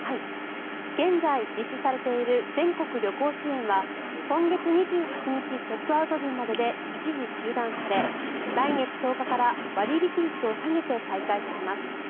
現在、実施されている全国旅行支援は今月２８日チェックアウト分までで一時中断され来月１０日から割引率を下げて再開されます。